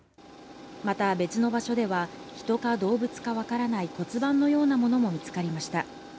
また、別の場所では人か動物か分からない骨盤のようなものも見つかりました。